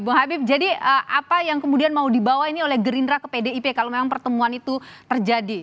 bung habib jadi apa yang kemudian mau dibawa ini oleh gerindra ke pdip kalau memang pertemuan itu terjadi